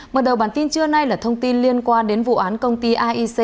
mở đầu bản tin trưa nay là thông tin liên quan đến vụ án công ty aic